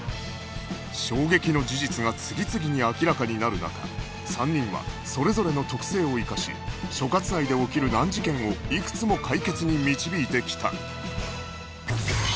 衝撃の事実が次々に明らかになる中３人はそれぞれの特性を生かし所轄内で起きる難事件をいくつも解決に導いてきた